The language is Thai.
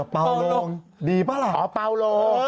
อ๋อเปาโลดิบาร่าอ๋อเปาโล